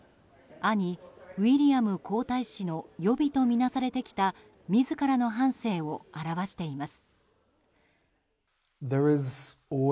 兄ウィリアム皇太子の予備と見なされてきた自らの半生を表しています。